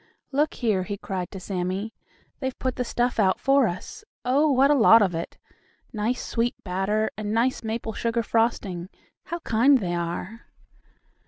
"Look here!" he cried to Sammie. "They've put the stuff out for us. Oh, what a lot of it! Nice, sweet batter, and nice maple sugar frosting. How kind they are."